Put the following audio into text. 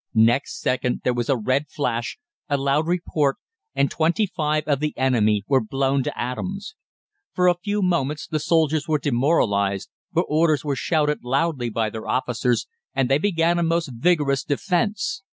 Next second there was a red flash, a loud report, and twenty five of the enemy were blown to atoms. For a few moments the soldiers were demoralised, but orders were shouted loudly by their officers, and they began a most vigorous defence.